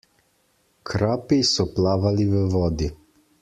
Krapi so plavali v vodi.